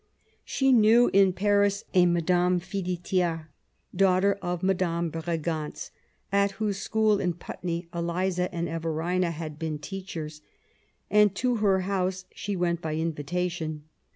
She knew in Paris a Madame Filiettaz^ daughter of the Madame Bregantz at whose school in Putney Eliza and Everina had been teachers, and to her house she went, by invitation.